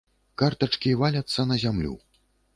Картачкі валяцца на зямлю.